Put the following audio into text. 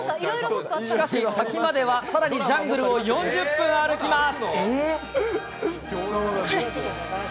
しかし滝まではさらにジャングルを４０分歩きます。